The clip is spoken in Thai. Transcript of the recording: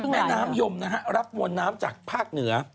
แม่น้ำยมนะฮะรับมวลน้ำจากภาคเหนือ